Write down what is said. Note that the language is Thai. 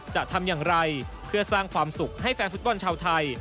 จะทำอย่างไรเพื่อสร้างความสุขให้แฟนฟุตบอลชาวไทย